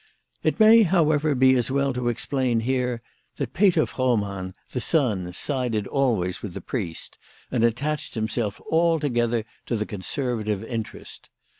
It may, however, be as well to explain here that Peter Froh mann the son sided always with the priest, and attached himself altogether to the conservative interest.